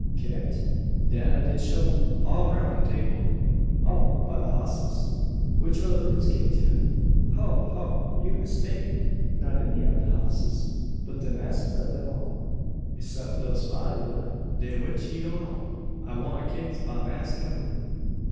"Kicked?" "Dat I did shoo all round de 'table." "Oh! by the hosses! Which o' the brutes kicked ye?" "Ho! ho! you mistaken! Not any ob de hosses, but de massa ob dem all 'cept little Spotty da, de which he doan't own. I wa kicked by Mass' Cahoon."